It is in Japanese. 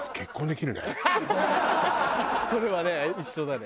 それはね一緒だね。